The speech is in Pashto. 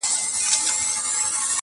• اوس لا ژاړې له آسمانه له قسمته -